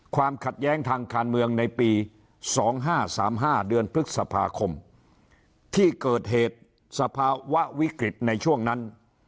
ความขัดแย้งทางการเมืองในปี๒๕๓๕เดือนพฤษภาคมที่เกิดเหตุสภาวะวิกฤตในช่วงนั้น